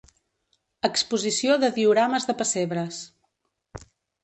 Exposició de diorames de pessebres.